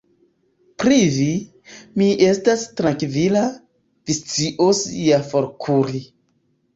Pri vi, mi estas trankvila: vi scios ja forkuri.